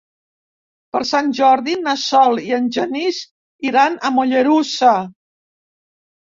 Per Sant Jordi na Sol i en Genís iran a Mollerussa.